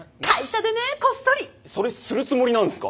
それするつもりなんですか？